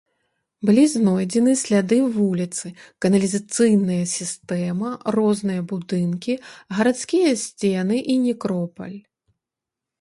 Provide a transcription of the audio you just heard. Былі знойдзены сляды вуліцы, каналізацыйная сістэма, розныя будынкі, гарадскія сцены і некропаль.